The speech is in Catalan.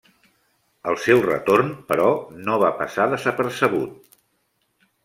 El seu retorn, però, no va passar desapercebut.